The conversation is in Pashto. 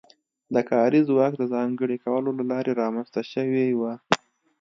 د کاري ځواک د ځانګړي کولو له لارې رامنځته شوې وه.